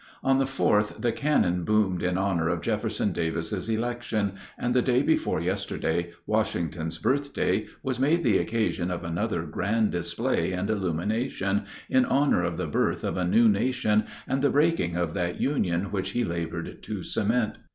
On the 4th the cannon boomed in honor of Jefferson Davis's election, and day before yesterday Washington's birthday was made the occasion of another grand display and illumination, in honor of the birth of a new nation and the breaking of that Union which he labored to cement.